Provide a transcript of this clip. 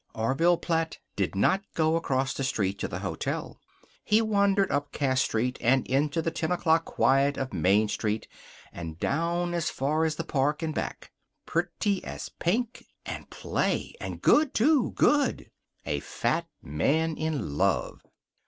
Orville Platt did not go across the street to the hotel. He wandered up Cass Street, and into the ten o'clock quiet of Main Street, and down as far as the park and back. "Pretty as a pink! And play! ... And good, too. Good." A fat man in love.